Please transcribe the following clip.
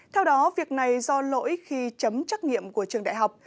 theo đó việc này do lỗi khi chấm trắc nghiệm của trường đại học